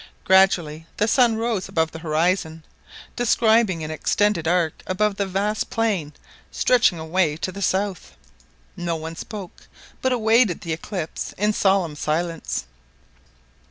Gradually the sun rose above the horizon, describing an extended arc above the vast plain stretching away to the south. No one spoke, but awaited the eclipse in solemn silence.